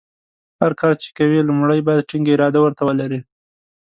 هر کار چې کوې لومړۍ باید ټینګه اراده ورته ولرې.